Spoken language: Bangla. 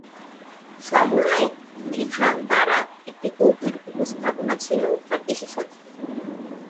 সমলয় বিধান দ্বারা একটি গভীর উপস্থাপনা ছিল তাঁর বিশেষত্ব।